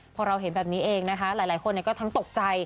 พอเราเห็นแบบนี้เองนะคะหลายคนก็ทั้งตกใจ